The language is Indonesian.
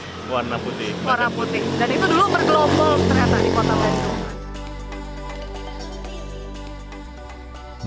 warna putih dan itu dulu bergelombol ternyata di kota kota itu